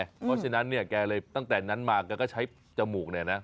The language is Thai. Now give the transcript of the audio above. เพราะฉะนั้นเนี่ยแกเลยตั้งแต่นั้นมาแกก็ใช้จมูกเนี่ยนะ